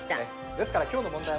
ですから今日の問題は。